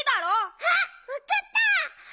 あっわかった！